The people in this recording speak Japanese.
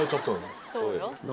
そうよ。